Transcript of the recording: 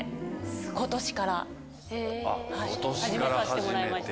今年から始めさせてもらいました。